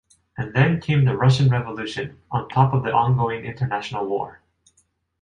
And then came the Russian Revolution, on top of the ongoing international War.